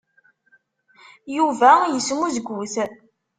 Yuba yesmuzgut.